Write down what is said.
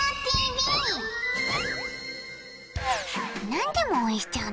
何でも応援しちゃう